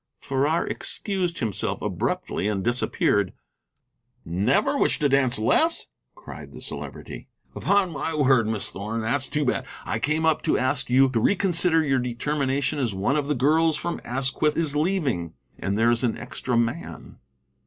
Farrar excused himself abruptly and disappeared. "Never wished to dance less!" cried the Celebrity. "Upon my word, Miss Thorn, that's too bad. I came up to ask you to reconsider your determination, as one of the girls from Asquith is leaving, and there is an extra man."